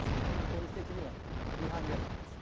法律的には違反ではないです。